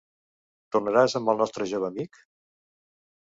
Tornaràs amb el nostre jove amic?